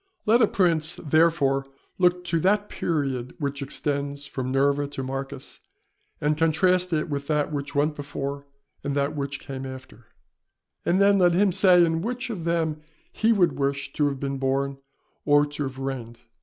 Let a prince therefore look to that period which extends from Nerva to Marcus, and contrast it with that which went before and that which came after, and then let him say in which of them he would wish to have been born or to have reigned.